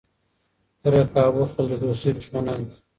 کرکه او بخل د دوستۍ دشمنان دي.